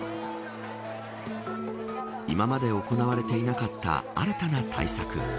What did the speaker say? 今まで行われていなかった新たな対策。